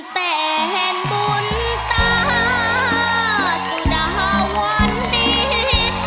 เต้นบุญตาสุดาวันดี